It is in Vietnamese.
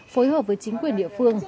phối hợp với chính quyền địa phương